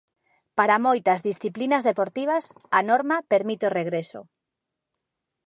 Para moitas disciplinas deportivas, a norma permite o regreso.